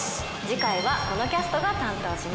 次回はこのキャストが担当します。